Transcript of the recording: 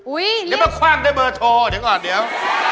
อุ๊ยเรียกนี่มันคว่างได้เบอร์โทรเดี๋ยวก่อนเดี๋ยว